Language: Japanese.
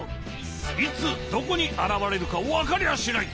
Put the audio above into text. いつどこにあらわれるかわかりゃしない！